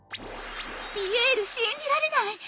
ピエール信じられない！